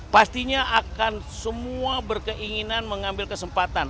pastinya akan semua berkeinginan mengambil kesempatan